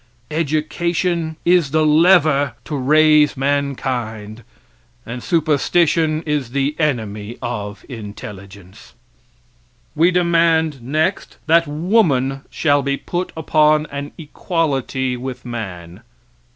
Education is the lever to raise mankind, and superstition is the enemy of intelligence. We demand, next, that woman shall be put upon an equality with man.